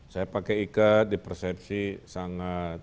saya pakai ikat di persepsi sangat